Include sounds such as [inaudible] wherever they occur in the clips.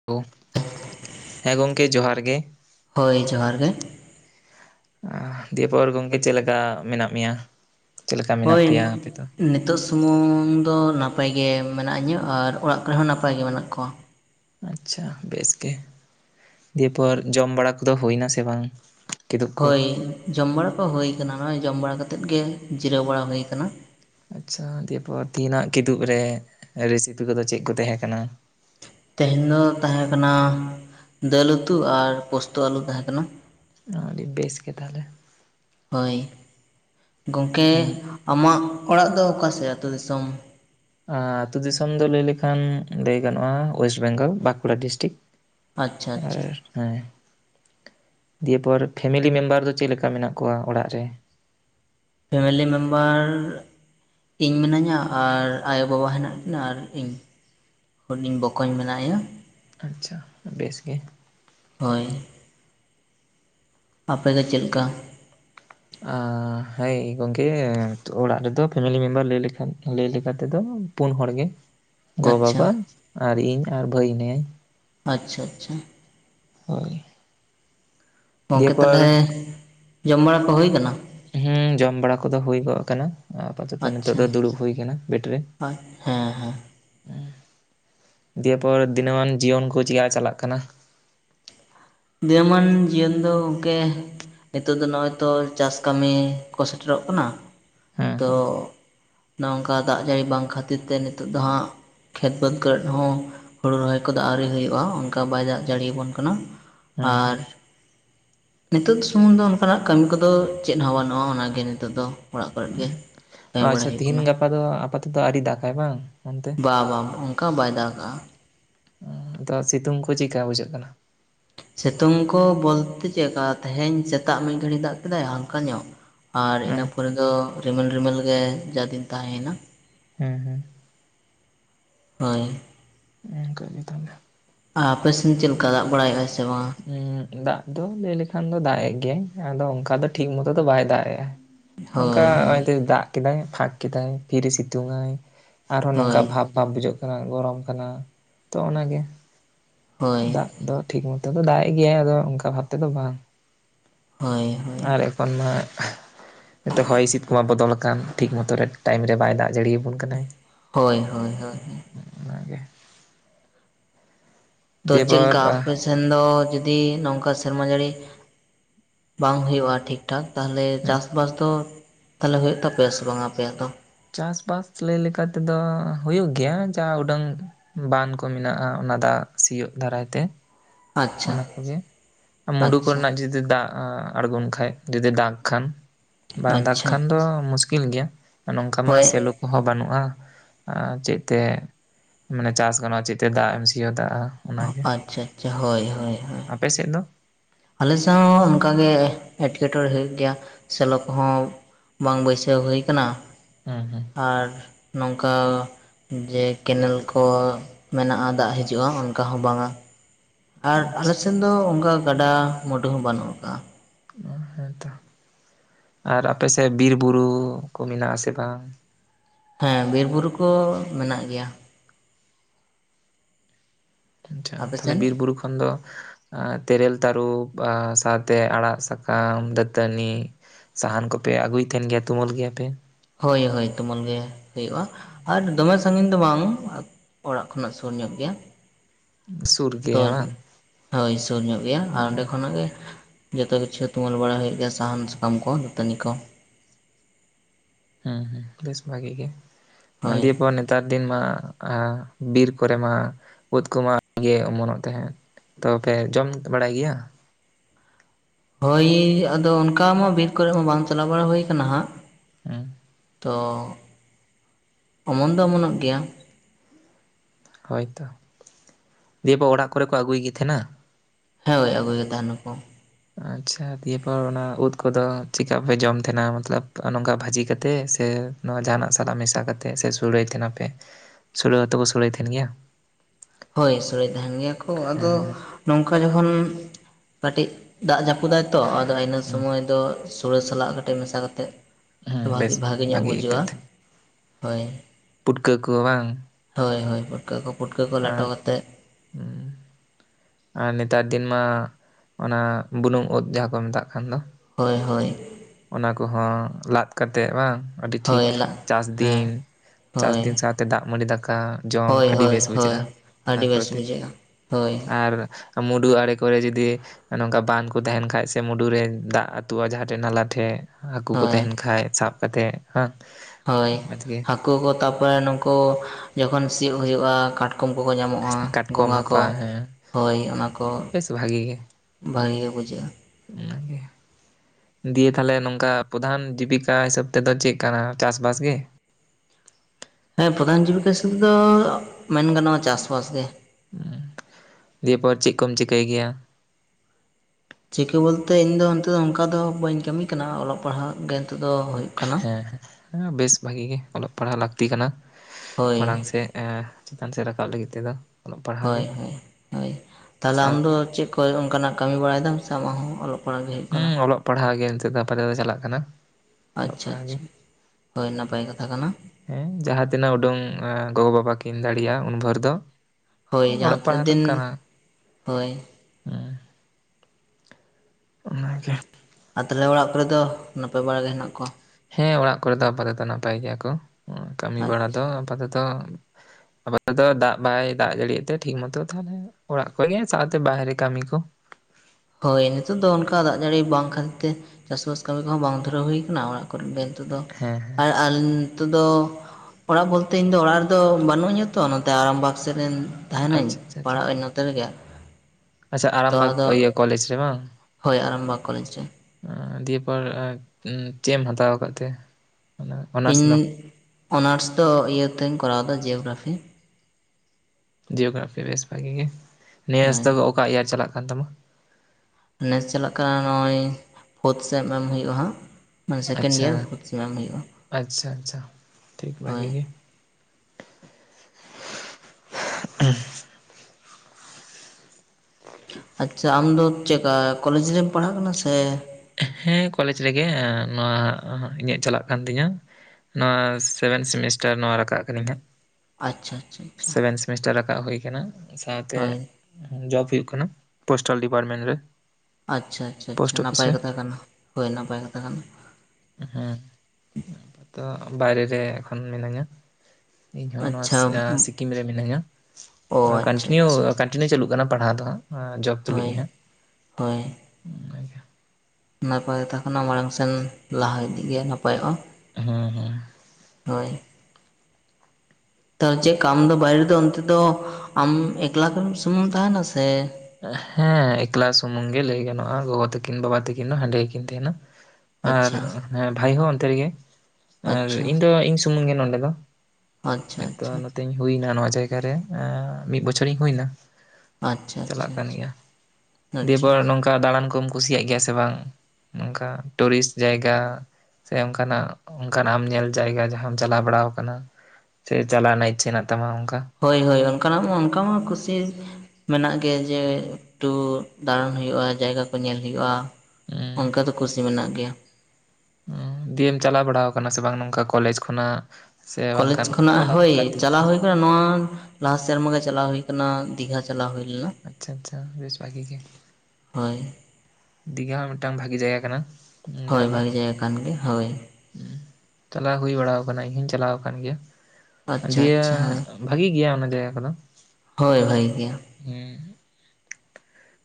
Hello ᱦᱮᱸ ᱜᱚᱝᱠᱮ ᱡᱚᱦᱟᱨ ᱜᱮ ᱦᱳᱭ ᱡᱚᱦᱟᱨ ᱜᱮ ᱟ ᱫᱤᱭᱮᱯᱚᱨ ᱜᱚᱢᱠᱮ ᱪᱮᱫ ᱞᱮᱠᱟ ᱢᱮᱱᱟᱜ ᱢᱮᱭᱟ? ᱪᱮᱫ ᱞᱮᱠᱟ ᱢᱮᱱᱟᱜ ᱦᱳᱭ ᱯᱮᱭᱟ ᱟᱯᱮ ᱫᱚ? ᱱᱤᱛᱚᱜ ᱥᱩᱢᱩᱝ ᱫᱚ ᱱᱟᱯᱟᱭ ᱜᱮ ᱢᱮᱱᱟᱜ ᱤᱧᱟᱹ ᱟᱨ ᱚᱲᱟᱜ ᱠᱚᱨᱮ ᱦᱚᱸ ᱱᱟᱯᱟᱭ ᱜᱮ ᱢᱮᱱᱟᱜ ᱠᱚᱣᱟ ᱟᱪᱪᱷᱟ ᱵᱮᱥ ᱜᱮ ᱫᱤᱭᱯᱚᱨ ᱡᱚᱢ ᱵᱟᱲᱟ ᱠᱚᱫᱚ ᱦᱩᱭᱱᱟ ᱥᱮ ᱵᱟᱝ ᱠᱤᱫᱩᱵ ᱠᱚ ᱦᱳᱭ ᱡᱚᱢ ᱵᱟᱲᱟ ᱠᱚ ᱦᱳᱭ ᱠᱟᱱᱟ ᱱᱚᱜ ᱚᱭ ᱡᱚᱢ ᱵᱟᱲᱟ ᱠᱟᱛᱮᱫ ᱜᱮ ᱡᱤᱨᱟᱹᱣ ᱵᱟᱲᱟ ᱦᱳᱭ ᱠᱟᱱᱟ ᱟᱪᱪᱷᱟ ᱫᱤᱭᱯᱚᱨ ᱛᱤᱦᱤᱱᱟᱸᱜ ᱠᱤᱫᱩᱵ ᱨᱤᱥᱤ ᱛᱩᱠᱟ. ᱫᱚ ᱪᱮᱫ ᱠᱚ ᱛᱟᱦᱮᱸ ᱠᱟᱱᱟ ᱛᱮᱦᱮᱧ ᱫᱚ ᱛᱟᱦᱮᱸ ᱠᱟᱱᱟ ᱫᱟᱹᱞ ᱩᱛᱩ ᱟᱨ ᱯᱚᱥᱛᱩ ᱟᱹᱞᱩ ᱛᱟᱦᱮᱸ ᱠᱟᱱᱟ ᱟᱹᱰᱤ ᱵᱮᱥ ᱜᱮ ᱛᱟᱦᱚᱞᱮ ᱦᱳᱭ ᱜᱚᱝᱠᱮ ᱦᱩᱸ ᱟᱢᱟᱜ ᱚᱲᱟᱜ ᱫᱚ ᱚᱠᱟ ᱥᱮ ᱟᱹᱛᱩ ᱫᱤᱥᱚᱢ ᱟ ᱟᱹᱛᱩ ᱫᱤᱥᱚᱢ ᱫᱚ ᱞᱟᱹᱭ ᱞᱮᱠᱷᱟᱱ ᱞᱟᱹᱭ ᱜᱟᱱᱚᱜᱼᱟ ᱚᱭᱮᱥᱴ ᱵᱮᱝᱜᱚᱞ ᱵᱟᱸᱠᱩᱲᱟ ᱰᱤᱥᱴᱤᱠ ᱟᱪᱪᱷᱟ ᱟᱪᱪᱷᱟ [unintelligible] ᱦᱮᱸ ᱫᱤᱭᱮ ᱯᱚᱨ ᱯᱷᱮᱢᱮᱞᱤ ᱢᱮᱢᱵᱟᱨ ᱫᱚ ᱪᱮ ᱞᱮᱠᱟ ᱢᱮᱱᱟᱜ ᱠᱚᱣᱟ ᱚᱲᱟᱜ ᱨᱮ ᱯᱷᱮᱢᱮᱞᱤ ᱢᱮᱢᱵᱟᱨ ᱤᱧ ᱢᱤᱱᱟᱹᱧᱟ ᱟᱨ ᱟᱭᱳ ᱵᱟᱵᱟ ᱦᱮᱱᱟᱜ ᱠᱤᱱᱟ ᱟᱨ ᱤᱧ ᱦᱩᱰᱤᱧ ᱵᱚᱠᱚᱧ ᱢᱮᱱᱟᱜᱟᱭᱟ ᱟᱪᱪᱷᱟ ᱵᱮᱥ ᱜᱮ ᱦᱳᱭ ᱟᱯᱮ ᱜᱮ ᱪᱮᱫ ᱞᱮᱠᱟ [inaudible] ᱟ ᱦᱮᱸᱭ ᱜᱚᱝᱠᱮ ᱚᱲᱟᱜ ᱨᱮᱫᱚ ᱯᱷᱮᱢᱮᱞᱤ ᱢᱮᱢᱵᱟᱨ ᱞᱟᱹᱭ ᱞᱮᱠᱷᱟᱱ ᱞᱟᱹᱭ ᱞᱮᱠᱟ ᱛᱮᱫᱚ ᱯᱳᱱ ᱦᱚᱲ ᱜᱮ ᱜᱚ ᱟᱪᱪᱷᱟ ᱵᱟᱵᱟ ᱟᱨ ᱤᱧ ᱟᱨ ᱵᱷᱟᱹᱭ ᱦᱮᱱᱟᱭᱟ ᱟᱪᱪᱷᱟ ᱟᱪᱪᱷᱟ ᱦᱳᱭ ᱜᱚᱝᱠᱮ ᱫᱤᱭᱮᱯᱚᱨ ᱛᱟᱞᱦᱮ ᱡᱚᱢ ᱵᱟᱲᱟ ᱠᱚ ᱦᱳᱭ ᱠᱟᱱᱟ ᱦᱩᱸ ᱡᱚᱢ ᱵᱟᱲᱟ ᱠᱚᱫᱚ ᱦᱩᱭ ᱜᱚᱜ ᱠᱟᱱᱟ ᱟ ᱟᱯᱟᱛᱚ ᱛᱚ ᱱᱤᱛᱚᱜ ᱟᱪᱪᱷᱟ ᱫᱚ ᱫᱩᱲᱩᱵ ᱦᱩᱭ ᱠᱟᱱᱟ ᱵᱮᱴ ᱨᱮ ᱦᱮᱸ ᱦᱮᱸ ᱩ ᱫᱤᱭᱮᱯᱚᱨ ᱫᱤᱱᱟᱹᱢᱟᱱ ᱡᱤᱭᱚᱱ ᱠᱚ ᱪᱤᱠᱟ ᱪᱟᱞᱟᱜ ᱠᱟᱱᱟ ᱫᱤᱱᱟᱹᱢᱟᱱ ᱡᱤᱭᱚᱱ ᱫᱚ ᱜᱚᱝᱠᱮ ᱱᱤᱛᱚᱜ ᱫᱚ ᱱᱚᱜ ᱚᱭ ᱛᱚ ᱪᱟᱥ ᱠᱟᱹᱢᱤ ᱠᱚ ᱥᱮᱴᱮᱨᱚᱜ ᱠᱟᱱᱟ ᱦᱮᱸ ᱛᱚ ᱱᱚᱝᱠᱟ ᱫᱟᱜ ᱡᱟᱹᱲᱤ ᱵᱟᱝ ᱠᱷᱟᱹᱛᱤᱨ ᱛᱮ ᱱᱤᱛᱚᱜ ᱫᱚ ᱦᱟᱸᱜ ᱠᱷᱮᱛ ᱵᱟᱹᱫᱽ ᱠᱚᱨᱮᱫ ᱦᱚᱸ ᱦᱩᱲᱩ ᱨᱚᱦᱚᱭ ᱠᱚ ᱫᱚ ᱟᱹᱣᱨᱤ ᱦᱳᱭᱳᱜᱼᱟ ᱚᱱᱠᱟ ᱵᱟᱭ ᱫᱟᱜ ᱡᱟᱹᱲᱤ ᱟᱵᱚᱱ ᱠᱟᱱᱟ ᱦᱮᱸ ᱟᱨ ᱦᱮᱸ ᱱᱤᱛᱚᱜ ᱥᱩᱢᱩᱝ ᱫᱚ ᱚᱱᱠᱟᱱᱟᱜ ᱠᱟᱹᱢᱤ ᱠᱚᱫᱚ ᱪᱮᱫ ᱦᱚᱸ ᱵᱟᱹᱱᱩᱜᱼᱟ ᱚᱱᱟ ᱜᱮ ᱱᱤᱛᱚᱜ ᱫᱚ ᱚᱲᱟᱜ ᱠᱚᱨᱜ ᱜᱮ ᱦᱮᱸ ᱾ ᱟᱪᱪᱷᱟ ᱛᱤᱦᱤᱧ ᱜᱟᱯᱟ ᱫᱚ ᱟᱯᱟᱛᱚ ᱟᱹᱣᱨᱤ ᱫᱟᱠᱟᱭ ᱵᱟᱝ ᱚᱱᱛᱮ? ᱵᱟ ᱵᱟᱝ ᱚᱱᱠᱟ ᱵᱟᱭ ᱫᱟᱜ ᱠᱟᱜᱼᱟ ᱟ ᱫᱚ ᱥᱤᱛᱩᱝ ᱠᱚ ᱪᱮᱠᱟ ᱵᱩᱡᱷᱟᱹᱜ ᱠᱟᱱᱟ? ᱥᱤᱛᱩᱝ ᱠᱚ ᱵᱚᱞᱛᱮ ᱪᱮᱫᱠᱟ ᱛᱮᱦᱮᱧ ᱥᱮᱛᱟᱜ ᱢᱤᱫ ᱜᱷᱟᱹᱲᱤᱡ ᱫᱟᱜ ᱠᱮᱫᱟᱭ ᱦᱟᱱᱠᱟ ᱧᱚᱜ ᱾ ᱟᱨ ᱦᱮᱸ ᱤᱱᱟᱹ ᱯᱚᱨᱮ ᱫᱚ ᱨᱤᱢᱤᱞ ᱨᱤᱢᱤᱞ ᱜᱮ ᱡᱟ ᱫᱤᱱ ᱛᱟᱦᱮᱸᱭᱮᱱᱟ ᱾ ᱦᱩᱸ ᱦᱩᱸ ᱾ ᱦᱳᱭ ᱾ ᱚᱱᱠᱟ ᱜᱮ ᱛᱟᱦᱚᱞᱮ ᱾ ᱟᱯᱮ ᱥᱮᱱ ᱪᱮᱜ ᱞᱮᱠᱟ ᱫᱟᱜ ᱵᱟᱲᱟᱭᱮᱜᱼᱟ ᱥᱮ ᱵᱟᱝ? ᱫᱟᱜ ᱫᱚ ᱞᱟᱹᱭ ᱞᱮᱠᱷᱟᱱ ᱫᱚ ᱫᱟᱜ ᱮ ᱜᱮᱭᱟᱭ ᱟᱫᱚ ᱚᱱᱠᱟ ᱫᱚ ᱴᱷᱤᱠ ᱢᱚᱛᱚ ᱫᱚ ᱵᱟᱭ ᱫᱟᱜ ᱮᱜᱼᱟ ᱾ ᱦᱳᱭ ᱚᱱᱠᱟ ᱱᱚᱜ-ᱚᱭ ᱛᱮ ᱫᱟᱜ ᱠᱮᱫᱟᱭ ᱯᱷᱟᱸᱠ ᱠᱮᱫᱟᱭ ᱯᱷᱤᱨ ᱮ ᱥᱤᱛᱩᱝ ᱟᱭ ᱟᱨᱦᱚᱸ ᱱᱚᱝᱠᱟ ᱦᱳᱭ ᱵᱷᱟᱵ ᱵᱷᱟᱯ ᱵᱩᱡᱟᱹᱜ ᱠᱟᱱᱟ ᱜᱚᱨᱚᱢ ᱠᱟᱱᱟ ᱛᱚ ᱚᱱᱟᱜᱮ, ᱦᱳᱭ ᱫᱟᱜ ᱫᱚ ᱴᱷᱤᱠ ᱢᱚᱛᱚ ᱛᱚᱵᱩ ᱫᱟᱜ ᱮᱜ ᱜᱮᱭᱟᱭ, ᱟᱫᱚ ᱚᱱᱠᱟ ᱵᱷᱟᱵ ᱛᱮᱫᱚ ᱵᱟᱝ ᱾ ᱦᱳᱭ ᱦᱳᱭ ᱾ [unintelligible] ᱱᱤᱛᱚᱜ ᱦᱚᱭ ᱦᱤᱥᱤᱫ ᱠᱚᱢᱟ ᱵᱚᱫᱚᱞ ᱟᱠᱟᱱ ᱴᱷᱤᱠ ᱢᱚᱛᱚ ᱨᱮ ᱴᱟᱭᱤᱢ ᱨᱮ ᱵᱟᱭ ᱫᱟᱜ ᱡᱟᱹᱲᱤ ᱟᱵᱚᱱ ᱠᱟᱱᱟᱭ ᱾ ᱦᱳᱭ ᱦᱳᱭ ᱦᱳᱭ ᱚᱱᱟ ᱜᱮ ᱾ ᱛᱚ ᱫᱤᱭᱮᱯᱚᱨ ᱪᱮᱞᱠᱟ ᱟᱯᱮ ᱥᱮᱱ ᱫᱚ ᱡᱩᱫᱤ ᱱᱚᱝᱠᱟ ᱥᱮᱨᱢᱟ ᱡᱟᱹᱲᱤ ᱵᱟᱝ ᱦᱩᱭᱩᱜᱼᱟ ᱴᱷᱤᱠ ᱴᱷᱟᱠ ᱛᱟᱦᱞᱮ ᱦᱩᱸ ᱪᱟᱥᱵᱟᱥ ᱫᱚ ᱛᱟᱦᱞᱮ ᱦᱳᱭᱳᱜ ᱛᱟᱯᱮᱭᱟ ᱥᱮ ᱵᱟᱝᱟ ᱟᱯᱮᱭᱟᱜ ᱫᱚ? ᱪᱟᱥ ᱵᱟᱥ ᱞᱟᱹᱭ ᱞᱮᱠᱟ ᱛᱮᱫᱚ ᱦᱩᱭᱩᱜ ᱜᱮᱭᱟ ᱡᱟ ᱩᱰᱟᱹᱝ ᱵᱟᱸᱱᱫ ᱠᱚ ᱢᱮᱱᱟᱜᱼᱟ ᱚᱱᱟ ᱫᱟᱜ ᱥᱤᱭᱳᱜ ᱫᱟᱨᱟᱭᱛᱮ ᱾ ᱟᱪᱪᱷᱟ ᱚᱱᱟ ᱠᱚᱜᱮ, ᱢᱩᱰᱩ ᱟᱪᱪᱷᱟ ᱠᱚᱨᱮᱱᱟᱜ ᱡᱩᱫ ᱫᱟᱜ ᱟᱲᱜᱚᱱ ᱠᱷᱟᱱ ᱡᱩᱫᱤ ᱫᱟᱜ ᱠᱷᱟᱱ ᱵᱟᱝ ᱫᱟᱜ ᱟᱪᱪᱷᱟ ᱠᱷᱟᱱ ᱫᱚ ᱢᱩᱥ ᱠᱤᱞ ᱜᱮᱭᱟ, ᱱᱚᱝᱠᱟ ᱢᱟ ᱦᱳᱭ ᱥᱮᱞᱳ ᱠᱚᱦᱚᱸ ᱵᱟᱹᱱᱩᱜᱼᱟ, ᱪᱮᱫ ᱛᱮ ᱢᱟᱱᱮ ᱪᱟᱥ ᱜᱟᱱᱚᱜᱼᱟ ᱛᱮ ᱫᱟᱜ ᱮᱢ ᱥᱤᱭᱳᱛᱟᱜᱼᱟ ᱚᱱᱟᱜᱮ ᱾ ᱟᱪᱪᱷᱟ ᱟᱪᱪᱷᱟ ᱦᱳᱭ ᱦᱳᱭ ᱾ ᱟᱯᱮ ᱥᱮᱫ ᱫᱚ? ᱟᱞᱮ ᱥᱟᱶ ᱦᱚᱸ ᱚᱱᱠᱟᱜᱮ ᱮᱸᱴᱠᱮᱴᱚᱲᱮ ᱦᱩᱭᱩᱜ ᱜᱮᱭᱟ ᱥᱮᱞᱚ ᱠᱚᱦᱚᱸ ᱵᱟᱝ ᱵᱟᱹᱭᱥᱟᱹᱣ ᱦᱳᱭ ᱠᱟᱱᱟ ᱾ ᱦᱩᱸ ᱦᱩᱸ ᱾ ᱟᱨ ᱱᱚᱝᱠᱟ ᱡᱮ ᱠᱮᱱᱮᱞ ᱠᱚ ᱢᱮᱱᱟᱜᱼᱟ ᱫᱟᱜ ᱦᱤᱡᱩᱜᱼᱟ ᱚᱱᱠᱟ ᱦᱚᱸ ᱵᱟᱝᱼᱟ ᱾ ᱟᱨ ᱟᱪᱪᱷᱟ ᱟᱞᱮᱥᱮᱱ ᱫᱚ ᱚᱱᱠᱟ ᱜᱟᱰᱟᱼᱢᱩᱰᱩ ᱦᱚᱸ ᱵᱟᱹᱱᱩᱜ ᱟᱠᱟᱜ-ᱟ ᱾ ᱚ ᱦᱮᱸ ᱛᱚ, ᱟᱨ ᱟᱯᱮ ᱥᱮᱫ ᱵᱤᱨ ᱵᱩᱨᱩ ᱠᱚ ᱢᱮᱱᱟᱜ-ᱟ ᱥᱮ ᱵᱟᱝ? ᱦᱮᱸ ᱵᱤᱨ ᱵᱩᱨᱩ ᱠᱚ ᱢᱮᱱᱟᱜ ᱜᱮᱭᱟ ᱾ ᱟᱪᱪᱷᱟ, ᱟᱯᱮ ᱛᱟᱦᱞᱮ ᱥᱮᱱ ᱵᱤᱨᱼᱵᱩᱨᱩ ᱠᱷᱚᱱ ᱫᱚ ᱛᱮᱨᱮᱞ, ᱛᱟᱹᱨᱩᱵ ᱥᱟᱶᱛᱮ ᱟᱲᱟᱜ, ᱥᱟᱠᱟᱢ ᱫᱟᱹᱛᱟᱹᱱᱤ ᱥᱟᱦᱟᱱ ᱠᱚᱯᱮ ᱟᱹᱜᱩᱭ ᱛᱟᱦᱮᱱ ᱜᱮᱭᱟ ᱛᱩᱢᱟᱹᱞ ᱜᱮᱭᱟᱯᱮ? ᱦᱳᱭ ᱦᱳᱭ ᱛᱩᱢᱟᱹᱞ ᱜᱮ ᱦᱩᱭᱩᱜᱼᱟ ᱟᱨ ᱫᱚᱢᱮ ᱥᱟᱹᱜᱤᱧ ᱫᱚ ᱵᱟᱝ ᱾ ᱚᱲᱟᱜ ᱠᱷᱚᱱᱟᱜ ᱥᱩᱨ ᱧᱚᱜ ᱜᱮᱭᱟ ᱾ ᱥᱩᱨ ᱛᱚ ᱜᱮᱭᱟ ᱵᱟᱝ ᱦᱳᱭ ᱥᱩᱨ ᱧᱚᱜ ᱜᱮᱭᱟ ᱟᱨ ᱦᱩᱸ ᱚᱸᱰᱮ ᱠᱷᱚᱱᱟᱜ ᱜᱮ ᱡᱚᱛᱚ ᱠᱤᱪᱷᱩ ᱛᱩᱢᱟᱹᱞ ᱵᱟᱲᱟ ᱦᱩᱭᱩᱜ ᱜᱮᱭᱟ ᱥᱟᱦᱟᱱ ᱥᱟᱠᱟᱢ ᱠᱚ ᱫᱟᱹᱛᱟᱹᱱᱤ ᱠᱚ ᱾ ᱦᱩᱸ ᱦᱩᱸ ᱵᱮᱥ ᱵᱷᱟᱜᱤ ᱜᱮ ᱦᱳᱭ ᱫᱤᱭᱮ ᱯᱚᱨ ᱱᱮᱛᱟᱨ ᱫᱤᱱ ᱢᱟ ᱟᱸ ᱵᱤᱨ ᱠᱚᱨᱮ ᱢᱟ ᱩᱫᱽ ᱠᱚᱢᱟ [unintelligible] ᱜᱮ ᱚᱢᱚᱱᱚᱜ ᱛᱟᱦᱮᱸᱫ ᱾ ᱛᱚ ᱯᱮ ᱡᱚᱢ ᱵᱟᱲᱟᱭ ᱜᱮᱭᱟ? ᱦᱳᱭ ᱟᱫᱚ ᱚᱱᱠᱟ ᱢᱟ ᱵᱤᱨ ᱠᱚᱨᱮ ᱢᱟ ᱵᱟᱝ ᱪᱟᱞᱟᱣ ᱵᱟᱲᱟ ᱦᱳᱭ ᱠᱟᱱᱟ ᱦᱟᱸᱜ ᱾ ᱦᱩᱸ ᱛᱚ ᱚᱢᱚᱱ ᱫᱚ ᱚᱢᱚᱱᱚᱜ ᱜᱮᱭᱟ᱾ ᱦᱳᱭ ᱛᱚ ᱫᱤᱭᱮᱯᱚ ᱚᱲᱟᱜ ᱠᱚᱨᱮ ᱠᱚ ᱟᱹᱜᱩᱭ ᱜᱮ ᱛᱟᱦᱮᱱᱟ᱾ ᱦᱮᱸᱭ ᱟᱹᱜᱩᱭ ᱜᱮ ᱛᱟᱦᱮᱱᱟ ᱠᱚ᱾ ᱟᱪᱪᱷᱟ ᱫᱤᱭᱮᱯᱚᱨ ᱚᱱᱟ ᱩᱫ ᱠᱚᱫᱚ ᱪᱮᱠᱟᱯᱮ ᱡᱚᱢ ᱛᱟᱦᱮᱱᱟ ᱢᱟᱛᱞᱚᱵ ᱱᱚᱝᱠᱟ ᱵᱷᱟᱹᱡᱤ ᱠᱟᱛᱮ ᱥᱮ ᱱᱚᱜ-ᱚᱭ ᱡᱟᱦᱟᱱᱟᱜ ᱥᱟᱞᱟᱜ ᱢᱮᱥᱟ ᱠᱟᱛᱮᱫ ᱥᱮ ᱥᱩᱲᱟᱹᱭ ᱛᱟᱦᱮᱱᱟ ᱯᱮ ᱥᱩᱲᱟᱹ ᱦᱚᱸᱛᱚ ᱵᱚ ᱥᱩᱲᱟᱹᱭ ᱛᱟᱦᱮᱱ ᱜᱮᱭᱟ᱾ ᱦᱳᱭ ᱥᱳᱲᱮ ᱛᱟᱦᱮᱱ ᱜᱮᱭᱟ ᱠᱚ ᱟᱫᱚ ᱦᱮᱸ ᱱᱚᱝᱠᱟ ᱡᱚᱠᱷᱚᱱ ᱠᱟᱹᱴᱤᱡᱽ ᱫᱟᱜᱽ ᱡᱟᱹᱯᱩᱫᱟᱭ ᱛᱚ ᱟᱫᱚ ᱤᱱᱟᱹ ᱥᱩᱢᱟᱹᱭ ᱫᱚ ᱥᱩᱲᱟᱹ ᱥᱟᱞᱟᱜ ᱠᱟᱴᱤᱜ ᱠᱟᱛᱮ ᱢᱮᱥᱟ ᱠᱟᱛᱮ ᱦᱮᱸ ᱵᱮᱥ ᱵᱷᱟᱜᱤ ᱵᱷᱟᱜᱮ ᱧᱚᱜ ᱵᱩᱡᱟᱹᱜᱼᱟ ᱟᱹᱭᱠᱟᱹᱜ ᱛᱟᱦᱮᱱ ᱦᱳᱭ᱾ ᱯᱩᱴᱠᱟᱹ ᱠᱚ ᱵᱟᱝ ᱦᱳᱭ ᱦᱳᱭ ᱯᱩᱴᱠᱟᱹ ᱠᱚ ᱯᱩᱴᱠᱟᱹ ᱠᱚ ᱞᱮᱴᱚ ᱠᱟᱛᱮᱫ ᱩᱸ ᱟᱨ ᱱᱮᱛᱟᱨ ᱫᱤᱱ ᱢᱟ ᱚᱱᱟ ᱵᱩᱱᱩᱝ ᱩᱫ ᱡᱟᱦᱟᱸ ᱠᱚ ᱢᱮᱛᱟᱜ ᱠᱟᱱ ᱫᱚ ᱦᱳᱭ ᱦᱳᱭ ᱚᱱᱟ ᱠᱚᱦᱚᱸ ᱞᱟᱫᱽ ᱠᱟᱛᱮᱫ ᱵᱟᱝ ᱟᱹᱰᱤ ᱴᱷᱤᱠ ᱦᱳᱭ ᱞᱟᱜ ᱪᱟᱥ ᱦᱮᱸ ᱫᱤᱱ ᱪᱟᱥ ᱦᱳᱭ ᱫᱤᱱ ᱥᱟᱶᱛᱮ ᱫᱟᱜᱽ ᱢᱟᱹᱰᱤ ᱫᱟᱠᱟ ᱡᱚᱢ ᱦᱳᱭ ᱟᱹᱰᱤ ᱦᱳᱭ ᱵᱮᱥ ᱦᱳᱭ ᱵᱩᱡᱷᱟᱹᱜᱼᱟ ᱚᱱᱟ ᱟᱹᱰᱤ ᱵᱮᱥ ᱠᱚᱛᱮ ᱵᱩᱡᱷᱟᱹᱜᱼᱟ ᱦᱳᱭ ᱟᱨ ᱢᱩᱰᱩ ᱟᱲᱮ ᱠᱚᱨᱮ ᱡᱩᱫᱤ ᱱᱚᱝᱠᱟ ᱵᱟᱸᱫ ᱠᱚ ᱛᱟᱦᱮᱱ ᱠᱷᱟᱡᱽ ᱥᱮ ᱢᱩᱰᱩ ᱨᱮ ᱫᱟᱜᱽ ᱟᱹᱛᱩᱜᱼᱟ ᱡᱟᱦᱟᱸ ᱴᱷᱮᱱ ᱱᱟᱞᱟ ᱴᱷᱮᱡ ᱦᱟᱹᱠᱩ ᱠᱚ ᱦᱳᱭ ᱛᱟᱦᱮᱱ ᱠᱷᱟᱡ ᱥᱟᱵᱽ ᱠᱟᱛᱮᱫ ᱦᱟᱸ ᱦᱳᱭ ᱢᱚᱡᱽ ᱜᱮ ᱦᱟᱹᱠᱩ ᱠᱚ ᱛᱟᱯᱚᱨᱮ ᱱᱩᱠᱩ ᱡᱚᱠᱷᱚᱱ ᱥᱤᱭᱳᱜ ᱦᱩᱭᱩᱜ-ᱟ ᱠᱟᱴ ᱠᱚᱢ ᱠᱚᱠᱚ ᱧᱟᱢᱚᱜ-ᱟ ᱠᱟᱴᱠᱚᱢ ᱜᱚᱸᱜᱷᱟ ᱠᱚ ᱨᱟᱯᱟᱜ ᱦᱮᱸ ᱦᱳᱭ ᱚᱱᱟ ᱠᱚ ᱵᱮᱥ ᱵᱷᱟᱜᱤ ᱜᱮ ᱵᱷᱟᱜᱮ ᱜᱮ ᱵᱩᱡᱷᱟᱹᱜ-ᱟ᱾ ᱚᱱᱟᱜᱮ ᱫᱤᱭᱮ ᱛᱟᱦᱞᱮ ᱱᱚᱝᱠᱟ ᱯᱚᱫᱷᱟᱱ ᱡᱤᱵᱤᱠᱟ ᱦᱤᱥᱟᱹᱵᱽ ᱛᱮᱫᱚ ᱪᱮᱫ ᱠᱟᱱᱟ ᱪᱟᱥ ᱵᱟᱥ ᱜᱤ ᱦᱮᱸ ᱯᱨᱚᱫᱷᱟᱱ ᱡᱤᱵᱤᱠᱟ ᱦᱤᱥᱟᱹᱵᱽ ᱫᱚ ᱢᱮᱱ ᱜᱟᱱᱚᱟ ᱪᱟᱥ ᱵᱟᱥ ᱜᱮ ᱩᱸ ᱫᱤᱭᱮ ᱯᱚᱨ ᱪᱮᱜ ᱠᱚᱢ ᱪᱤᱠᱟᱹᱭ ᱜᱮᱭᱟ? ᱪᱤᱠᱟᱹ ᱵᱚᱞᱛᱮ ᱤᱧ ᱫᱚ ᱱᱤᱛᱚ ᱫᱚ ᱚᱝᱠᱟ ᱫᱚ ᱵᱟᱹᱧ ᱠᱟᱹᱢᱤ ᱠᱟᱱᱟ ᱚᱞᱚᱜ ᱯᱟᱲᱦᱟᱜ ᱜᱮ ᱱᱮᱛᱚ ᱫᱚ ᱦᱩᱭᱩᱜ ᱠᱟᱱᱟ᱾ ᱦᱮᱸ ᱦᱮᱸ ᱵᱮᱥ ᱵᱷᱟᱜᱤ ᱜᱤ ᱚᱞᱚᱜ ᱯᱟᱲᱦᱟᱜ ᱞᱟᱠᱛᱤ ᱠᱟᱱᱟ ᱦᱳᱭ ᱢᱟᱲᱟᱝ ᱥᱮᱜ ᱪᱮᱛᱟᱱ ᱥᱮᱫ ᱨᱟᱠᱟᱵᱽ ᱞᱟᱹᱜᱤᱫ ᱛᱮᱫᱚ ᱚᱞᱚᱜ ᱯᱟᱲᱦᱟᱜ ᱜᱮ ᱦᱳᱭ ᱦᱳᱭ ᱦᱳᱭ ᱛᱟᱦᱞᱮ ᱟᱢᱫᱚ ᱥᱟᱶᱛᱮ ᱪᱮᱫ ᱠᱚᱭ ᱚᱝᱠᱟᱱᱟᱜ ᱠᱟᱹᱢᱤ ᱵᱟᱲᱟᱭ ᱫᱟᱢ ᱥᱮ ᱟᱢᱟ ᱦᱚᱸ ᱚᱞᱚᱜ ᱯᱟᱲᱦᱟᱜ ᱜᱮ ᱦᱩᱭᱩᱜ ᱠᱟᱱᱟ ᱦᱩᱸ ᱚᱞᱚᱜ ᱯᱟᱲᱦᱟᱜ ᱜᱮ ᱱᱤᱛᱚᱜ ᱫᱚ ᱟᱯᱟ ᱛᱚᱛᱚ ᱪᱟᱞᱟᱜ ᱠᱟᱱᱟ ᱚᱞᱚᱜ ᱟᱪᱪᱷᱟ ᱯᱟᱲᱦᱟᱣ ᱜᱮ ᱟᱪᱪᱷᱟ ᱦᱳᱭ ᱱᱟᱯᱟᱭ ᱠᱟᱛᱷᱟ ᱠᱟᱱᱟ᱾ ᱦᱮᱸ ᱡᱟᱦᱟᱸ ᱛᱤᱱᱟᱹᱜ ᱩᱰᱩᱝ ᱜᱚᱜᱚ ᱵᱟᱵᱟ ᱠᱤᱱ ᱫᱟᱲᱮᱭᱟ ᱩᱱ ᱵᱷᱩᱨ ᱫᱚ ᱦᱳᱭ ᱡᱟᱦᱟᱸ ᱚᱞᱚᱜ ᱛᱤᱱᱟᱹᱜ ᱯᱟᱲᱦᱟᱜ ᱫᱚ ᱫᱤᱱ ᱠᱟᱱᱟ ᱦᱳᱭ ᱦᱩᱸ ᱚᱱᱟ ᱜᱮ ᱟᱨ ᱛᱟᱞᱦᱮ ᱚᱲᱟᱜ ᱠᱚᱨᱮ ᱫᱚ ᱱᱟᱯᱟᱭ ᱵᱟᱲᱟ ᱜᱮ ᱦᱮᱱᱟᱜ ᱠᱚᱣᱟ? ᱦᱮᱸ ᱚᱲᱟᱜ ᱠᱚᱨᱮ ᱫᱚ ᱟᱯᱟᱛᱚᱛᱚ ᱱᱟᱯᱟᱭ ᱜᱮᱭᱟ ᱠᱚ ᱠᱟᱹᱢᱤ ᱵᱟᱲᱟ ᱫᱚ ᱟᱪᱪᱷᱟ ᱟᱯᱟᱛᱚᱛᱚ ᱟᱵᱟᱨ ᱫᱚ ᱫᱟᱜᱽ ᱵᱟᱭ ᱫᱟᱜᱽ ᱡᱟᱹᱲᱤ ᱭᱮ ᱛᱮ ᱴᱷᱤᱠ ᱢᱚᱛᱚ ᱛᱟᱦᱚᱞᱮ ᱚᱲᱟᱜ ᱠᱚᱨᱮ ᱜᱮ ᱥᱟᱶ ᱛᱮ ᱵᱟᱦᱨᱮ ᱠᱟᱹᱢᱤ ᱠᱚ ᱦᱳᱭ ᱱᱤᱛᱚᱜ ᱫᱚ ᱚᱱᱠᱟ ᱫᱟᱜᱽ ᱡᱟᱹᱲᱤ ᱵᱟᱝ ᱠᱷᱟᱹᱛᱤᱨ ᱪᱟᱥᱵᱟᱥ ᱠᱟᱹᱢᱤ ᱠᱚᱦᱚᱸ ᱵᱟᱝ ᱫᱷᱚᱨᱣ ᱦᱩᱭ ᱠᱟᱱᱟ ᱚᱲᱟᱜ ᱠᱚᱨᱮᱫ ᱜᱮ ᱱᱮᱛᱚ ᱫᱚ ᱦᱮᱸ ᱦᱮᱸ ᱟᱻ ᱟ ᱱᱮᱛᱚ ᱫᱚ ᱚᱲᱟᱜ ᱵᱚᱞᱛᱮ ᱤᱧ ᱫᱚ ᱚᱲᱟᱜ ᱨᱮᱫᱚ ᱵᱟᱹᱱᱩ ᱧᱟ ᱛᱚ ᱱᱚᱛᱮ ᱟᱨᱟᱢᱵᱟᱜᱽ ᱥᱮᱫ ᱨᱮᱱ ᱛᱟᱦᱮᱱᱟᱹᱧ ᱟᱪᱪᱷᱟ ᱟᱪᱪᱷᱟ ᱟᱪᱪᱷᱟ ᱯᱟᱲᱟᱜ ᱟᱹᱧ ᱱᱚᱛᱮ ᱨᱮᱜᱮ᱾ ᱟᱪᱪᱷᱟ ᱛᱚ ᱟᱨᱟᱢᱵᱟᱜᱽ ᱟᱫᱚ ᱤᱭᱟᱹ ᱠᱚᱞᱮᱡᱽ ᱨᱮ ᱵᱟᱝ ᱦᱳᱭ ᱟᱨᱟᱢᱵᱟᱜᱽ ᱠᱚᱞᱮᱡᱽ ᱨᱮ᱾ ᱫᱤᱭᱮ ᱯᱚᱨ ᱪᱮ ᱮᱢ ᱦᱟᱛᱟᱣ ᱟᱠᱟᱫ ᱛᱮ? ᱚᱱᱟᱨᱥ ᱤᱧ ᱫᱚ ᱚᱱᱟᱨᱥ ᱫᱚ ᱤᱭᱟᱹᱛᱮᱧ ᱠᱚᱨᱟᱣᱟ ᱫᱟ ᱡᱤᱭᱳᱜᱨᱟᱯᱷᱤ ᱡᱤᱭᱳᱜᱨᱟᱯᱷᱤ ᱵᱮᱥ ᱵᱷᱟᱜᱤ ᱜᱮ ᱱᱮᱭᱟᱹᱥ ᱦᱳᱭ ᱫᱚ ᱚᱠᱟ ᱤᱭᱟᱨ ᱪᱟᱞᱟᱜ ᱠᱟᱱ ᱛᱟᱢᱟ? ᱱᱮᱥ ᱪᱟᱞᱟᱜ ᱠᱟᱱᱟ ᱱᱚᱜ-ᱚᱭ ᱯᱷᱳᱨᱛ ᱥᱮᱫ ᱮᱢ ᱮᱢ ᱦᱩᱭᱩᱟ ᱦᱟᱸᱜ ᱢᱟᱱᱮ ᱥᱮᱠᱮᱱ ᱟᱪᱪᱷᱟ ᱰᱤᱭᱟᱨ ᱵᱷᱳᱛ ᱥᱮᱢ ᱮᱢ ᱦᱩᱭᱩᱜᱼᱟ ᱟᱪᱪᱷᱟ ᱟᱪᱪᱷᱟ ᱴᱷᱤᱠ ᱵᱷᱟᱜᱤ ᱦᱳᱭ ᱜᱮ [inaudible] ᱟᱪᱪᱷᱟ ᱟᱢᱫᱚ ᱪᱮᱠᱟ ᱠᱚᱞᱮᱡᱽ ᱨᱮᱢ ᱯᱟᱲᱦᱟᱜ ᱠᱟᱱᱟ ᱥᱮ ᱦᱮᱸ ᱠᱚᱞᱮᱡᱽ ᱨᱮᱜᱮ ᱱᱚᱣᱟ ᱤᱧᱟᱹᱜ ᱪᱟᱞᱟᱜ ᱠᱟᱱ ᱛᱤᱧᱟᱹ ᱱᱚᱣᱟ ᱥᱮᱵᱷᱮᱱ ᱥᱮᱢᱤᱥᱴᱟᱨ ᱱᱚᱣᱟ ᱨᱟᱠᱟᱜ ᱠᱟᱹᱱᱤᱧ ᱦᱟᱸᱜ ᱟᱪᱪᱷᱟ ᱟᱪᱪᱷᱟ ᱟᱪᱪᱷᱟ ᱥᱮᱵᱷᱮᱱ ᱥᱮᱢᱤᱥᱴᱟᱨ ᱨᱟᱠᱟᱵ ᱦᱩᱭ ᱠᱟᱱᱟ ᱥᱟᱶᱛᱮ ᱦᱳᱭ ᱡᱚᱵᱽ ᱦᱩᱭᱩᱜ ᱠᱟᱱᱟ ᱯᱳᱥᱴᱟᱞ ᱰᱤᱯᱟᱨᱢᱮᱱ ᱨᱮ ᱟᱪᱪᱷᱟ ᱟᱪᱪᱷᱟ ᱟᱪᱪᱷᱟ ᱯᱳᱥᱴ ᱚᱯᱷᱤᱥ ᱱᱟᱯᱟᱭ ᱨᱮ ᱠᱟᱛᱷᱟ ᱠᱟᱱᱟ ᱦᱳᱭ ᱱᱟᱯᱟᱭ ᱠᱟᱛᱷᱟ ᱠᱟᱱᱟ ᱦᱩᱸ ᱟᱯᱟᱛᱚ ᱵᱟᱭᱨᱮ ᱨᱮ ᱮᱠᱷᱚᱱ ᱢᱤᱱᱟᱹᱧᱟ ᱤᱧ ᱦᱚᱸ ᱱᱚᱣᱟ ᱟᱪᱪᱷᱟ ᱥᱤ ᱮᱸ ᱥᱤᱠᱤᱢ ᱨᱮ ᱢᱤᱱᱟᱹᱧᱟ ᱚ ᱟᱪᱪᱷᱟ ᱠᱴᱤᱱᱤᱭᱩ ᱟᱪᱪᱷᱟ ᱠᱟᱱ ᱴᱤᱱᱤᱭᱩ ᱪᱟᱹᱩᱜ ᱠᱟᱱᱟ ᱯᱟᱲᱦᱟᱣ ᱫᱚ ᱦᱟᱸᱜ, ᱟᱸ ᱡᱚᱵᱽ ᱦᱳᱭ ᱦᱳᱭ ᱱᱚᱣᱟ ᱯᱟᱦᱴᱟ ᱠᱷᱚᱱᱟ ᱢᱟᱲᱟᱝ ᱥᱮᱱ ᱞᱟᱦᱟ ᱤᱫᱤᱜᱮ ᱱᱟᱯᱟᱭᱚᱜ-ᱟ᱾ ᱦᱩᱸ ᱦᱩᱸ ᱦᱳᱭ ᱛᱚ ᱪᱮᱫᱠᱟ ᱟᱢ ᱫᱚ ᱫᱚ ᱵᱟᱭᱨᱮ ᱫᱚ ᱚᱱᱛᱮ ᱫᱚ ᱟᱢ ᱮᱠᱞᱟ ᱛᱮᱢ ᱥᱩᱢᱩᱝ ᱛᱟᱦᱮᱱᱟ ᱥᱮ ᱦᱮᱸ ᱮᱠᱞᱟ ᱥᱩᱢᱩᱝ ᱜᱮ ᱞᱟᱹᱭ ᱜᱟᱱᱚᱜ-ᱟ ᱜᱚᱜᱚ ᱛᱟᱹᱠᱤᱱ ᱵᱟᱵᱟ ᱛᱟᱹᱠᱤᱱ ᱦᱚᱸ ᱦᱟᱸᱰᱮ ᱜᱮᱠᱤᱱ ᱛᱮᱦᱮᱱᱟ᱾ ᱟᱨ ᱟᱪᱪᱷᱟ ᱦᱮᱸ ᱵᱷᱟᱭ ᱦᱚᱸ ᱚᱱᱛᱮ ᱨᱤᱜᱤᱴᱮ ᱟᱨ ᱟᱪᱪᱷᱟ ᱤᱧ ᱫᱚ ᱤᱧ ᱥᱩᱢᱩᱝ ᱜᱮ ᱱᱚᱸᱰᱮ ᱫᱚ᱾ ᱟᱪᱪᱷᱟ ᱟᱪᱪᱷᱟ ᱛᱮᱧ ᱦᱩᱭᱱᱟ ᱱᱚᱣᱟ ᱡᱟᱭᱜᱟ ᱨᱮ ᱮᱸᱻ ᱢᱤᱫ ᱵᱚᱪᱷᱚᱨᱤᱧ ᱦᱩᱭᱱᱟ᱾ ᱟᱪᱪᱷᱟ ᱪᱟᱞᱟᱜ ᱟᱪᱪᱷᱟ ᱠᱟᱱ ᱟᱪᱪᱷᱟ ᱜᱮᱭᱟ ᱟᱪᱪᱷᱟ ᱢᱤᱫ-ᱵᱟᱨ ᱱᱚᱝᱠᱟ ᱚᱱᱠᱟ ᱫᱟᱬᱟᱱ ᱠᱚᱢ ᱠᱩᱥᱤᱭᱟᱜ ᱜᱮᱭᱟ ᱥᱮ ᱵᱟᱝ ᱚᱱᱠᱟ ᱴᱩᱨᱤᱥᱴ ᱡᱟᱭᱜᱟ? ᱥᱮ ᱚᱝᱠᱟᱱᱟᱜ, ᱚᱝᱠᱟᱱᱟᱜ ᱟᱢ ᱧᱮᱞ ᱡᱟᱭᱜᱟ ᱡᱟᱦᱟᱸᱢ ᱪᱟᱞᱟᱣ ᱵᱟᱲᱟ ᱠᱟᱱᱟ᱾ ᱥᱮ ᱪᱟᱞᱟᱜ ᱨᱮᱱᱟᱜ ᱤᱪᱪᱷᱟᱹ ᱦᱮᱱᱟᱜ ᱛᱟᱢᱟ ᱚᱝᱠᱟ? ᱦᱳᱭ ᱦᱳᱭ ᱚᱝᱠᱟᱱᱟᱜ ᱚᱝᱠᱟ ᱢᱟ ᱠᱩᱥᱤ ᱢᱮᱱᱟᱜ ᱜᱮ ᱡᱮ ᱮᱠᱴᱩ ᱫᱟᱬᱟᱱ ᱦᱩᱭᱩᱜᱼᱟ ᱡᱟᱭᱜᱟ ᱠᱚ ᱧᱮᱞ ᱦᱩᱭᱩᱜᱼᱟ᱾ ᱚᱝᱠᱟ ᱫᱚ ᱠᱩᱥᱤ ᱢᱮᱱᱟᱜ ᱜᱮᱭᱟ᱾ ᱩᱸᱻ ᱫᱤᱭᱮᱢ ᱪᱟᱞᱟᱣ ᱵᱟᱲᱟᱣ ᱠᱟᱱᱟ ᱥᱮ ᱵᱟᱝ ᱱᱚᱝᱠᱟ ᱠᱚᱞᱮᱡᱽ ᱠᱷᱚᱱᱟᱜ? ᱥᱮ ᱠᱚᱞᱮᱡᱽ ᱵᱟᱝᱠᱷᱟᱱ ᱠᱷᱚᱱᱟᱜ ᱚᱞᱟᱜ ᱦᱳᱭ ᱜᱟᱛᱮ ᱪᱟᱞᱟᱣ ᱠᱷᱚᱱᱟᱜ? ᱦᱩᱭ ᱦᱮᱸ, ᱱᱚᱣᱟ ᱞᱟᱦᱟ ᱥᱮᱨᱢᱟ ᱜᱮ ᱪᱟᱞᱟᱣ ᱦᱩᱭ ᱠᱟᱱᱟ ᱫᱤᱜᱷᱟ ᱪᱟᱞᱟᱣ ᱦᱩᱭ ᱞᱮᱱᱟ᱾ ᱟᱪᱪᱷᱟ ᱟᱪᱪᱷᱟ ᱵᱮᱥ ᱵᱷᱟᱹᱜᱤ ᱜᱮ᱾ ᱦᱳᱭ᱾ ᱫᱤᱜᱷᱟ ᱦᱚᱸ ᱢᱤᱫᱴᱟᱝ ᱵᱷᱟᱹᱜᱤ ᱡᱟᱭᱜᱟ ᱠᱟᱱᱟ᱾ ᱦᱳᱭ ᱵᱷᱟᱹᱜᱤ ᱡᱟᱭᱜᱟ ᱠᱟᱱ ᱜᱮ, ᱦᱳᱭ᱾ ᱦᱩᱸ ᱪᱟᱞᱟᱣ ᱦᱩᱭ ᱵᱟᱲᱟᱣ ᱟᱠᱟᱱᱟ, ᱤᱧ ᱦᱩᱧ ᱪᱟᱞᱟᱣ ᱟᱠᱟᱱ ᱜᱮᱭᱟ ᱟᱪᱪᱷᱟ ᱫᱤᱭᱟᱹ ᱟᱪᱪᱷᱟ ᱦᱳᱭ ᱵᱷᱟᱹᱜᱤ ᱜᱮᱭᱟ ᱚᱱᱟ ᱡᱟᱭᱜᱟ ᱠᱚᱫᱚ ᱦᱳᱭ ᱵᱷᱟᱹᱜᱤ ᱜᱮᱭᱟ᱾ ᱦᱩᱸ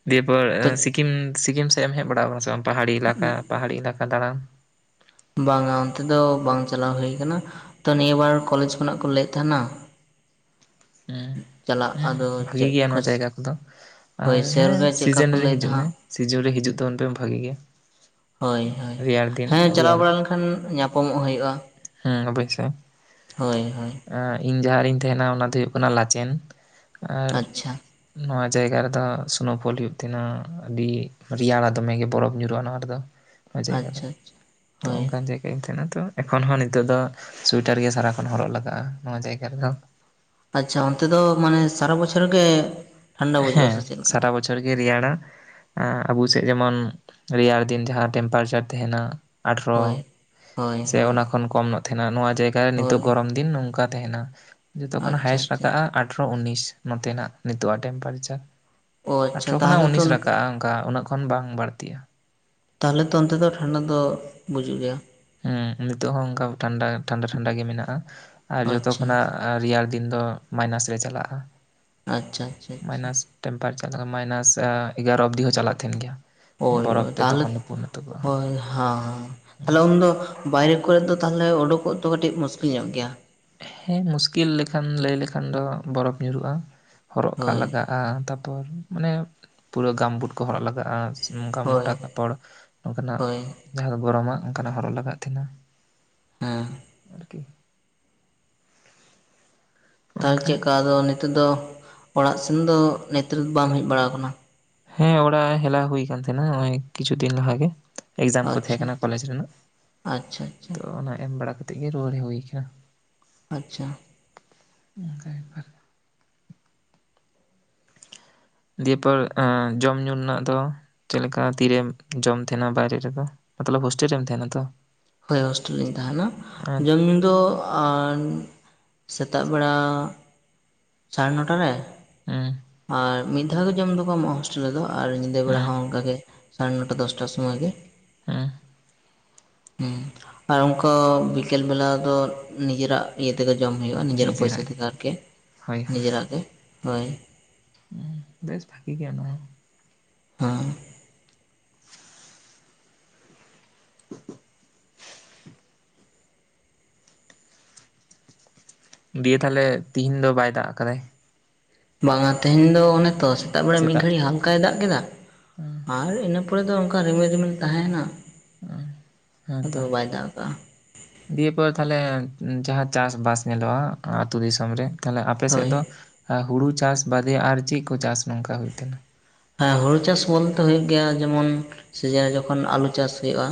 ᱫᱤᱭᱮᱯᱚᱨ ᱛᱚ ᱥᱤᱠᱤᱢ ᱥᱤᱠᱤᱢ ᱥᱮᱫ ᱮᱢ ᱦᱮᱡ ᱵᱟᱲᱟᱟᱣ ᱟᱠᱟᱱᱟ ᱥᱮ ᱵᱟᱝ ᱯᱟᱦᱟᱲᱤ ᱤᱞᱟᱠᱟ, ᱯᱟᱦᱟᱲᱤ ᱤᱞᱟᱠᱟ ᱫᱟᱬᱟᱱ? ᱵᱟᱝᱟ ᱚᱱᱛᱮ ᱫᱚ ᱵᱟᱝ ᱪᱟᱞᱟᱣ ᱦᱩᱭ ᱠᱟᱱᱟ ᱛᱚ ᱱᱤᱭᱟᱹ ᱵᱟᱨ ᱠᱚᱞᱮᱡᱽ ᱠᱷᱚᱱᱟᱜ ᱠᱚ ᱞᱟᱹᱭᱮᱫ ᱛᱟᱦᱮᱱᱟ᱾ ᱦᱩᱸ ᱪᱟᱞᱟᱜ ᱦᱩᱸ ᱟᱫᱚ ᱵᱷᱟᱜᱤ ᱪᱮᱫ ᱜᱮᱭᱟ ᱠᱚ ᱱᱚᱣᱟ ᱡᱟᱭᱜᱟ ᱠᱚᱫᱚ ᱦᱳᱭ ᱟᱨ ᱥᱮᱨ ᱦᱮᱸ ᱜᱮ ᱪᱮᱫᱠᱟ ᱥᱤᱡᱮᱱ ᱠᱚ ᱨᱮ ᱞᱟᱹᱭᱫᱟ ᱦᱤᱡᱩᱜ ᱢᱮ᱾ ᱦᱟᱸᱜ ᱥᱤᱡᱤᱱ ᱨᱮ ᱦᱤᱡᱩᱜ ᱛᱟᱵᱚᱱ ᱯᱮ ᱵᱷᱟᱹᱜᱤ ᱜᱮ᱾ ᱦᱳᱭ ᱦᱳᱭ ᱦᱮᱸ ᱪᱟᱞᱟᱣ ᱨᱮᱭᱟᱲ ᱵᱟᱲᱟ ᱞᱮᱱᱠᱷᱟᱱ ᱧᱟᱯᱟᱢᱚᱜ ᱦᱩᱭᱩᱜᱼᱟ᱾ ᱦᱩᱸ ᱟᱵᱚᱭᱥᱳᱭ ᱦᱳᱭ ᱦᱳᱭ ᱦᱮᱸ ᱤᱧ ᱡᱟᱦᱟᱸ ᱨᱤᱧ ᱛᱟᱦᱮᱱᱟ ᱚᱱᱟ ᱫᱚ ᱦᱩᱭᱩᱜ ᱠᱟᱱᱟ ᱞᱟᱪᱮᱱ ᱟᱨ ᱟᱪᱪᱷᱟ ᱱᱚᱣᱟ ᱡᱟᱭᱜᱟ ᱨᱮᱫᱚ ᱥᱱᱳᱯᱷᱚᱞ ᱦᱩᱭᱩᱜ ᱛᱟᱦᱮᱱᱟ ᱟᱹᱰᱤ ᱨᱮᱭᱟᱲᱟ ᱫᱚᱢᱮ ᱜᱮ ᱵᱚᱨᱚᱯᱷ ᱧᱩᱨᱩᱜᱼᱟ ᱱᱚᱣᱟ ᱨᱮᱫᱚ ᱡᱟᱭᱜᱟ ᱫᱚ ᱟᱪᱪᱷᱟ ᱟᱪᱪᱷᱟ ᱛᱚ ᱦᱳᱭ ᱚᱱᱠᱟᱱ ᱡᱟᱭᱜᱟ ᱮᱱᱛᱷᱮᱱ ᱛᱚ ᱮᱠᱷᱚᱱ ᱦᱚᱸ ᱱᱤᱛᱚᱜ ᱫᱚ ᱥᱩᱭᱮᱴᱟᱨ ᱜᱮ ᱥᱟᱨᱟ ᱠᱷᱚᱱ ᱦᱚᱨᱚᱜ ᱞᱟᱜᱟᱜᱼᱟ ᱱᱚᱣᱟ ᱡᱟᱭᱜᱟ ᱨᱮᱫᱚ᱾ ᱟᱪᱪᱷᱟ ᱚᱱᱛᱮ ᱫᱚ ᱢᱟᱱᱮ ᱥᱟᱨᱟ ᱵᱚᱪᱷᱚᱨ ᱜᱮ ᱴᱷᱟᱱᱰᱟ ᱵᱩᱡᱩᱜᱼᱟ ᱥᱮ ᱦᱮᱸ ᱪᱮᱫ ᱞᱮᱠᱟ ᱥᱟᱨᱟ ᱵᱚᱪᱷᱼᱼ ᱚᱨ ᱜᱮ ᱨᱮᱭᱟᱲᱟ ᱟᱵᱚ ᱥᱮᱫ ᱡᱮᱢᱚᱱ ᱨᱮᱭᱟᱲ ᱫᱤᱱ ᱡᱟᱦᱟᱸ ᱴᱮᱢᱯᱟᱨᱮᱪᱟᱨ ᱛᱟᱦᱮᱱᱟ ᱟᱴᱷᱨᱚ ᱦᱳᱭ ᱦᱳᱭ ᱥᱮ ᱦᱳᱭ ᱚᱱᱟ ᱠᱷᱚᱱ ᱠᱚᱢ ᱧᱚᱜ ᱛᱟᱦᱮᱱᱟ ᱱᱚᱣᱟ ᱡᱟᱭᱜᱟ ᱨᱮ ᱱᱤᱛᱚᱜ ᱦᱳᱭ ᱜᱚᱨᱚᱢ ᱾ ᱫᱤᱱ ᱱᱚᱝᱠᱟ ᱛᱟᱦᱮᱱᱟ ᱡᱚᱛᱚ ᱠᱷᱚᱱ ᱟᱪᱪᱷᱟ ᱦᱟᱭᱮᱥᱴ ᱟᱪᱪᱷᱟ ᱟᱠᱟᱜᱼᱟ ᱟᱴᱷᱨᱚ ᱩᱱᱱᱤᱥ ᱱᱚᱛᱮᱱᱟᱜ ᱱᱤᱛᱚᱜ ᱴᱮᱢᱯᱟᱨᱮᱪᱟᱨ ᱚ ᱟᱪᱪᱷᱟ ᱟᱴᱷᱨᱚ ᱠᱷᱚᱱᱟᱜ ᱛᱟᱦᱚᱞᱮ ᱛᱚ ᱩᱱᱱᱤᱥ ᱨᱟᱠᱟᱵᱼᱟ ᱚᱱᱠᱟ ᱩᱱᱟᱹᱜ ᱠᱷᱚᱱ ᱵᱟᱝ ᱵᱟᱹᱲᱛᱤᱜᱼᱟ ᱾ ᱛᱟᱦᱚᱞᱮ ᱛᱚ ᱚᱱᱛᱮ ᱫᱚ ᱴᱷᱟᱱᱰᱟ ᱫᱚ ᱵᱩᱡᱩᱜ ᱜᱮᱭᱟ ᱾ ᱦᱮᱸ ᱱᱤᱛᱚᱜ ᱦᱚᱸ ᱚᱱᱠᱟ ᱴᱷᱟᱱᱰᱟ ᱴᱷᱟᱱᱰᱟ ᱼᱴᱷᱟᱱᱰᱟ ᱜᱮ ᱢᱮᱱᱟᱜᱼᱟ ᱟᱨ ᱡᱚᱛᱚ ᱟᱪᱪᱷᱟ ᱠᱷᱚᱱᱟᱜ ᱟᱨ ᱨᱮᱭᱟᱲ ᱫᱤᱱ ᱫᱚ ᱢᱟᱭᱱᱟᱥ ᱨᱮ ᱪᱟᱞᱟᱜᱼᱟ ᱟᱪᱪᱷᱟ ᱟᱪᱪᱷᱟ ᱟᱪᱪᱷᱟ ᱢᱟᱭᱱᱟᱥ ᱴᱮᱢᱯᱟᱨᱮᱪᱟᱨ ᱢᱟᱭᱱᱟᱥ ᱮᱜᱟᱨᱚ ᱚᱵᱫᱤ ᱦᱚᱸ ᱪᱟᱞᱟᱜ ᱛᱟᱦᱮᱱ ᱜᱮᱭᱟ ᱦᱚᱭ ᱵᱚᱨᱚᱯᱷ ᱦᱚᱭ ᱛᱮ ᱛᱟᱦᱚᱞᱮ ᱛᱚᱠᱷᱚᱱ ᱫᱚ ᱯᱩᱨᱱᱚ ᱛᱚᱵᱟᱜᱼᱟ ᱦᱚᱭ ᱦᱟᱸ ᱛᱟᱦᱚᱞᱮ ᱩᱱ ᱫᱚ ᱵᱟᱦᱨᱮ ᱠᱚᱨᱮ ᱫᱚ ᱛᱟᱦᱚᱞᱮ ᱚᱰᱚᱠᱚᱜ ᱫᱚ ᱠᱟᱹᱴᱤᱡ ᱢᱩᱥᱠᱤᱞ ᱧᱚᱜ ᱜᱮᱭᱟ᱾ ᱦᱮᱸ ᱢᱩᱥᱠᱤᱞ ᱞᱮᱠᱷᱟᱱ ᱞᱟᱹᱭ ᱞᱮᱠᱷᱟᱱ ᱫᱚ ᱵᱚᱨᱚᱯᱷ ᱧᱩᱨᱩᱜᱼᱟ ᱦᱚᱨᱚᱜ ᱠᱟᱜ ᱦᱳᱭ ᱞᱟᱜᱟᱜ ᱟ ᱛᱟᱯᱚᱨ ᱢᱟᱱᱮ ᱯᱩᱨᱟᱹ ᱜᱟᱢᱵᱩᱴ ᱠᱚ ᱦᱚᱨᱚᱜ ᱞᱟᱜᱟᱜᱼᱟ ᱱᱚᱝᱠᱟ ᱦᱳᱭ ᱢᱚᱴᱟ ᱠᱟᱯᱚᱲ ᱱᱚᱝᱠᱟᱱᱟᱜ ᱦᱳᱭ ᱡᱟᱦᱟᱸ ᱫᱚ ᱜᱚᱨᱚᱢᱟᱜ ᱚᱱᱠᱟᱱᱟᱜ ᱦᱚᱨᱚᱜ ᱞᱟᱜᱟᱜ ᱛᱟᱦᱮᱱᱟ ᱾ ᱦᱮᱸᱻ ᱟᱨᱠᱤ ᱛᱟᱦᱚᱞᱮ ᱪᱮᱫ ᱚᱱᱠᱟ ᱞᱮᱠᱟ ᱟᱫᱚ ᱱᱤᱛᱚᱜ ᱫᱚ ᱚᱲᱟᱜ ᱥᱮᱱ ᱫᱚ ᱱᱮᱛ ᱨᱮᱫᱚ ᱵᱟᱢ ᱦᱮᱡ ᱵᱟᱲᱟᱣᱟᱠᱟᱱᱟ ᱦᱮᱸ ᱚᱲᱟᱜ ᱦᱮᱞᱟ ᱦᱩᱭ ᱟᱠᱟᱱ ᱛᱟᱦᱮᱸᱱᱟ ᱱᱚᱜᱼᱚᱭ ᱠᱤᱪᱷᱩ ᱫᱤᱱ ᱞᱟᱦᱟ ᱜᱮ। ᱮᱠᱡᱟᱢ ᱠᱚ ᱛᱟᱦᱮᱸ ᱟᱪᱪᱷᱟ ᱠᱟᱱᱟ ᱠᱚᱞᱮᱡᱽ ᱨᱮᱱᱟᱜ᱾ ᱟᱪᱪᱷᱟ ᱟᱪᱪᱷᱟ ᱛᱚ ᱚᱱᱟ ᱮᱢ ᱵᱟᱲᱟ ᱠᱟᱛᱮᱜ ᱜᱮ ᱨᱩᱣᱟᱹᱲ ᱦᱩᱭ ᱟᱠᱟᱱᱟ ᱟᱪᱪᱷᱟᱻ [unintelligible] ᱫᱤᱭᱮᱯᱚᱨ ᱮᱸ ᱡᱚᱢ ᱧᱩ ᱨᱮᱱᱟᱜ ᱫᱚ ᱪᱮᱫ ᱞᱮᱠᱟ ᱛᱤᱨᱮᱢ ᱡᱚᱢ ᱛᱟᱦᱮᱱᱟ ᱵᱟᱭᱨᱮ ᱨᱮᱫᱚ ᱢᱚᱛᱞᱚᱵ ᱦᱳᱥᱴᱮᱞ ᱨᱮᱢ ᱛᱟᱦᱮᱱᱟ ᱛᱚ? ᱦᱳᱭ ᱦᱳᱥᱴᱮᱞ ᱨᱤᱧ ᱛᱟᱦᱮᱱᱟ ᱦᱩᱸ ᱡᱚᱢ ᱧᱩ ᱫᱚ ᱟᱱᱻ ᱥᱮᱛᱟᱜ ᱵᱮᱲᱟ ᱥᱟᱲᱮ ᱱᱚᱴᱟ ᱨᱮ। ᱦᱩᱸ ᱻ ᱟᱨ ᱢᱤᱫ ᱫᱷᱟᱣ ᱜᱮ ᱡᱚᱢ ᱫᱚᱠᱚ ᱮᱢᱚᱜ-ᱟ ᱦᱳᱥᱴᱮᱞ ᱨᱮᱫᱚ ᱟᱨ ᱧᱤᱫᱟᱹ ᱵᱮᱲᱟ ᱦᱩᱸ ᱦᱚᱸ ᱚᱱᱠᱟᱜ ᱜᱮ। ᱥᱟᱲᱮ ᱱᱚᱴᱟ ᱫᱚᱥᱴᱟ ᱥᱚᱢᱚᱭ ᱜᱮ। ᱦᱮᱸᱻ ᱦᱮᱸ ᱟᱨ ᱚᱱᱠᱟ ᱵᱤᱠᱮᱞ ᱵᱮᱞᱟ ᱫᱚ ᱱᱤᱡᱮᱨᱟᱜ ᱤᱭᱟᱹ ᱛᱮᱜᱮ ᱡᱚᱢ ᱦᱩᱭᱩᱜᱼᱟ ᱱᱤᱡᱮᱨᱟᱜ ᱯᱚᱭᱥᱟ ᱛᱮᱜᱮ ᱟᱨᱠᱤ ᱦᱳᱭ ᱦᱳᱭ ᱱᱤᱡᱮᱨᱟᱜ ᱜᱮ ᱦᱳᱭ। ᱵᱮᱥ ᱵᱷᱟᱹᱜᱤ ᱜᱮᱭᱟ ᱱᱚᱣᱟ [unintelligible] ᱦᱮᱸᱻ [inaudible] ᱫᱤᱭᱮ ᱛᱟᱦᱟᱞᱮ ᱛᱤᱦᱤᱧ ᱫᱚ ᱵᱟᱭ ᱫᱟᱜ ᱟᱠᱟᱫᱟᱭ? ᱵᱟᱝᱟ ᱛᱮᱦᱮᱧ ᱫᱚ ᱚᱱᱮ ᱛᱚ ᱥᱮᱛᱟᱜ ᱵᱮᱲᱟ ᱢᱤᱫ ᱜᱷᱟᱹᱲᱤᱡ ᱦᱟᱞᱠᱟᱭ ᱫᱟᱜ ᱠᱮᱫᱟ ᱟᱨ ᱤᱱᱟᱹ ᱯᱚᱨ ᱯᱚᱨᱮ ᱫᱚ ᱚᱱᱠᱟ ᱨᱤᱢᱤᱞ ᱨᱤᱢᱤᱞ ᱛᱟᱦᱮᱸ ᱮᱱᱟ [unintelligible] ᱦᱮᱸᱛᱚ ᱠᱟᱜᱼᱟ ᱫᱤᱭᱮ ᱯᱚᱨ ᱛᱟᱦᱚᱞᱮ ᱡᱟᱦᱟᱸ ᱪᱟᱥ ᱵᱟᱥ ᱧᱮᱞᱚᱜᱼᱟ ᱟᱹᱛᱳ ᱫᱤᱥᱚᱢ ᱨᱮ। ᱛᱟᱦᱟᱞᱮ ᱟᱯᱮᱥᱮᱫ ᱦᱳᱭ ᱫᱚ ᱮᱻ ᱦᱳᱲᱳ ᱪᱟᱥ ᱵᱟᱫᱮ ᱟᱨ ᱪᱮᱫ ᱠᱚ ᱪᱟᱥ ᱱᱚᱝᱠᱟ ᱦᱩᱭᱩᱜ ᱛᱟᱦᱮᱱᱟ? ᱦᱮᱸ ᱦᱳᱲᱳ ᱪᱟᱥ ᱵᱚᱞᱛᱮ ᱦᱩᱭᱩᱜ ᱜᱮᱭᱟ ᱡᱮᱢᱚᱱ ᱥᱤᱡᱮᱱ ᱨᱮ ᱡᱚᱠᱷᱚᱱ ᱟᱹᱞᱩ ᱪᱟᱥ ᱦᱩᱭᱩᱜᱼᱟ।